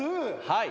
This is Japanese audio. はい。